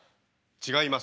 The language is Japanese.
違います。